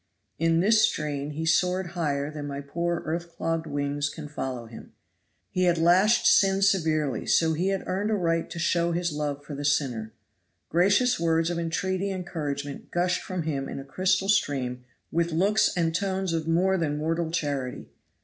In this strain he soared higher than my poor earth clogged wings can follow him. He had lashed sin severely, so he had earned a right to show his love for the sinner. Gracious words of entreaty and encouragement gushed from him in a crystal stream with looks and tones of more than mortal charity.